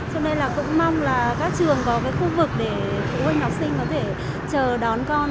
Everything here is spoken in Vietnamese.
cho nên là cũng mong là các trường có cái khu vực để phụ huynh học sinh có thể chờ đón con